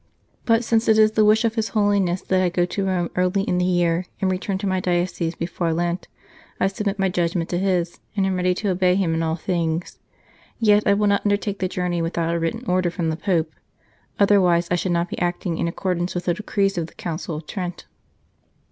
... But since it is the wish of His Holiness that I go to Rome early in the year, and return to my diocese before Lent, I submit my judgment to his, and am ready to obey him in all things. ... Yet I will not undertake the journey without a written order from the Pope ... otherwise I should not be acting in accordance with the decrees of the Council of Trent."